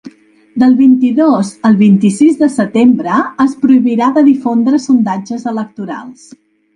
Del vint-i-dos al vint-i-sis de setembre es prohibirà de difondre sondatges electorals.